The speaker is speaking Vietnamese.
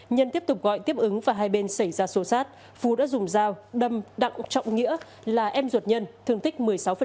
nhân tiếp tục gọi tiếp ứng và hai bên xảy ra sô sát phú đã dùng dao đâm đặng trọng nghĩa là em ruột nhân thương tích một mươi sáu